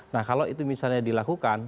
nah kalau itu misalnya dilakukan